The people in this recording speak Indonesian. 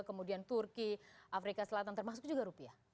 kemudian turki afrika selatan termasuk juga rupiah